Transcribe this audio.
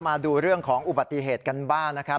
มาดูเรื่องของอุบัติเหตุกันบ้างนะครับ